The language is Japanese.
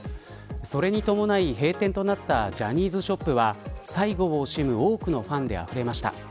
それに伴い閉店となったジャニーズショップは最後を惜しむ多くのファンであふれました。